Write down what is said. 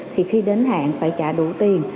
thì khi đến hạn phải trả đủ tiền